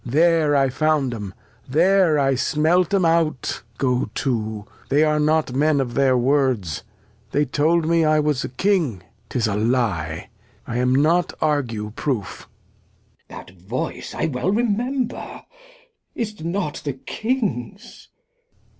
There I found 'em, there I smelt 'em out ; go too, they are not Men of their Words ; they told me I was a King ; 'tis a Lye, I am not Ague proof. Glost. That Voice I well remember, is't not the King's